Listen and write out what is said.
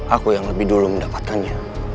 aku yang lebih dulu mendapatkannya